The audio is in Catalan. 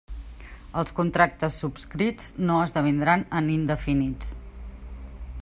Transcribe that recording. Els contractes subscrits no esdevindran en indefinits.